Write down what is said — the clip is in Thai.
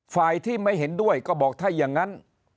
ฝ่ายที่ไม่เห็นด้วยก็บอกถ้าอย่างนั้น